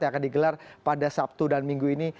yang akan digelar pada sabtu dan minggu ini